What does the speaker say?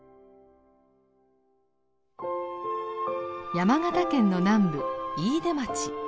山形県の南部飯豊町。